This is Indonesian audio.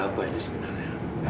ada apa ini sebenarnya